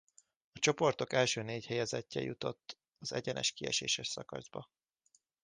A csoportok első négy helyezettje jutott az egyenes kieséses szakaszba.